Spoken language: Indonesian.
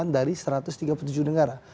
dari satu ratus tiga puluh tujuh negara